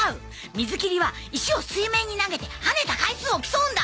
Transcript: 水切りは石を水面に投げて跳ねた回数を競うんだ！